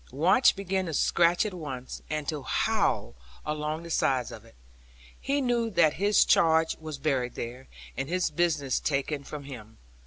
Watch began to scratch at once, and to howl along the sides of it; he knew that his charge was buried there, and his business taken from him.